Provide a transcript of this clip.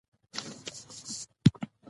سرحدونه د افغانستان د ځمکې د جوړښت نښه ده.